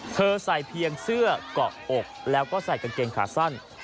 ใส่เพียงเสื้อเกาะอกแล้วก็ใส่กางเกงขาสั้น